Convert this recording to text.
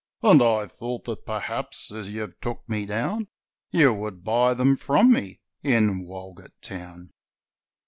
'And I thought that perhaps, as you've took me down, You would buy them from me, in Walgett Town!'